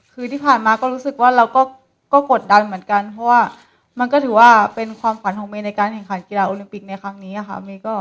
คือที่ผ่านมาก็รู้สึกว่าเราก็กดดันเหมือนกันเพราะว่ามันก็ถือว่าเป็นความฝันของเมย์ในการแข่งขันกีฬาโอลิมปิกในครั้งนี้ค่ะ